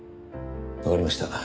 わかりました。